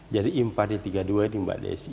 jadi impari tiga puluh dua ini mbak desy